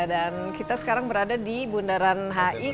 dan kita sekarang berada di bundaran hi